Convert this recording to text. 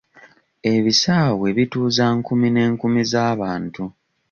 Ebisaawe bituuza nkumi n'enkumi z'abantu.